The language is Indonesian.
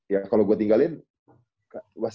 ya kalau gue tinggalin pasti bisa